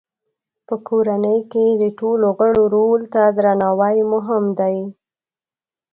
په کورنۍ کې د ټولو غړو رول ته درناوی مهم دی.